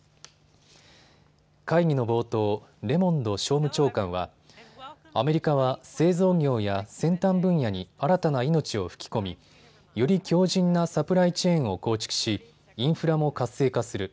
会議の冒頭、レモンド商務長官はアメリカは製造業や先端分野に新たな命を吹き込みより強じんなサプライチェーンを構築しインフラも活性化する。